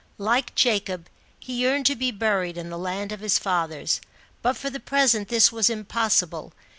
Like Jacob, he yearned to be buried in the land of his fathers, but for the present this was impossible.